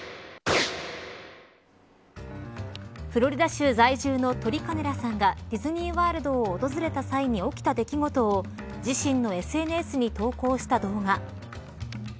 フロリダ州在住のトリ・カネラさんがディズニー・ワールドを訪れた際に起きた出来事を自身のＳＮＳに投稿した動画。